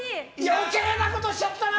余計なことしちゃったな！